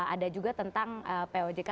ada juga tentang pojk